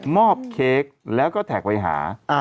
เค้กแล้วก็แท็กไปหา